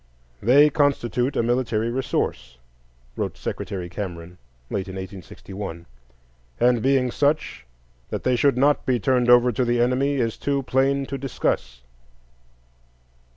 "They constitute a military resource," wrote Secretary Cameron, late in 1861; "and being such, that they should not be turned over to the enemy is too plain to discuss."